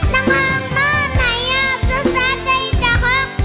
นังงงงนายอาบสุสะใจจะหัก